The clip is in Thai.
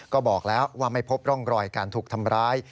ก็บอกแล้วว่าไม่พบร่องรอยการถูกทำร้าย